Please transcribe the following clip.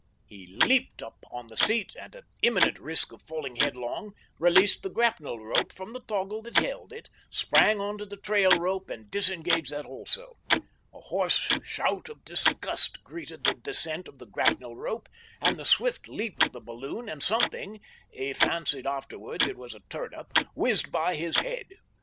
He leapt up on the seat, and, at imminent risk of falling headlong, released the grapnel rope from the toggle that held it, sprang on to the trail rope and disengaged that also. A hoarse shout of disgust greeted the descent of the grapnel rope and the swift leap of the balloon, and something he fancied afterwards it was a turnip whizzed by his head.